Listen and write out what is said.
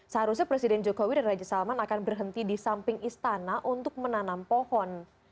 seharusnya presiden jokowi dan raja salman akan berhenti di samping istana untuk menanam pohon